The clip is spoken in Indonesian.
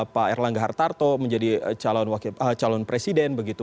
pak erlangga hartarto menjadi calon presiden begitu